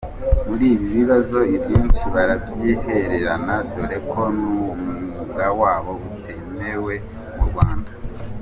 Muri ibi bibazo ibyinshi barabyihererana dore ko n’uwo mwuga wabo utemewe mu Rwanda.